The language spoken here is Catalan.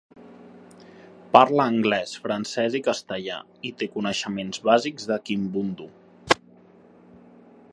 Parla anglès, francès i castellà i té coneixements bàsics de kimbundu.